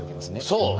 そう！